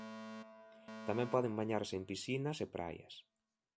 Tamén poden bañarse en piscinas e praias.